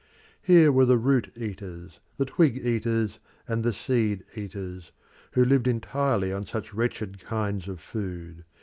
Here were the root eaters, the twig eaters and the seed eaters, who lived entirely on such wretched kinds of food.